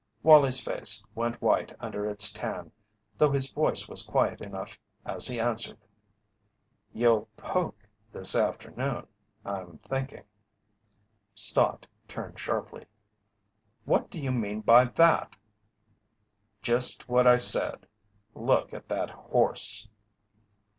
Wallie's face went white under its tan, though his voice was quiet enough as he answered: "You'll 'poke' this afternoon, I'm thinking." Stott turned sharply. "What do you mean by that?" "Just what I said. Look at that horse!"